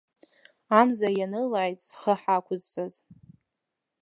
Амза ианылааит зхы ҳақәызҵаз!